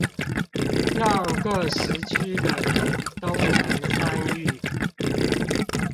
讓各時區的人都能參與